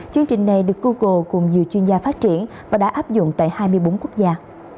chương trình này được google cùng nhiều chuyên gia phát triển và đã áp dụng tại hai mươi bốn quốc gia